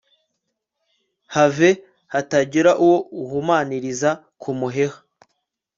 have hatagira uwo uhumaniriza ku muheha.